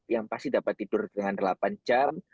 yang pasti dapat tidur dengan delapan jam